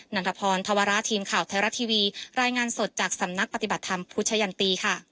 ันทพรธวระทีมข่าวไทยรัฐทีวีรายงานสดจากสำนักปฏิบัติธรรมพุทธยันตีค่ะ